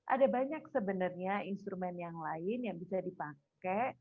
ada banyak sebenarnya instrumen yang lain yang bisa dipakai